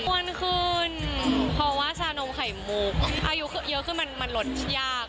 วันคืนพอว่าชานมไข่มุกอายุเยอะขึ้นมันหลดยาก